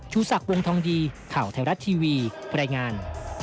ชูศักดิ์วงธองดีข่าวแทนรัฐทีวีแปรงาน